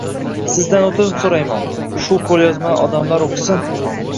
— Sizdan o’tinib so’rayman. Shu qo’lyozmani odamlar o’qisin.